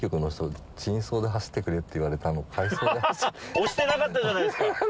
押してなかったじゃないですか！